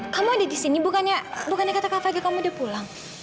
kamu ada di sini bukannya bukannya kata kak fadli kamu udah pulang